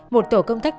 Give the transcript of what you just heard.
một tổ công tác